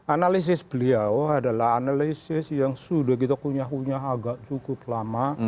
analisis beliau adalah analisis yang sudah kita punya kunyah agak cukup lama